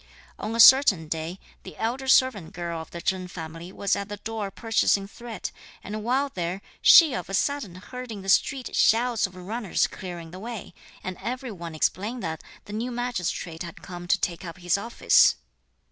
On a certain day, the elder servant girl of the Chen family was at the door purchasing thread, and while there, she of a sudden heard in the street shouts of runners clearing the way, and every one explain that the new magistrate had come to take up his office.